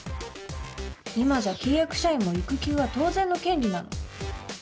今じゃ契約社員も育休は当然の権利なの。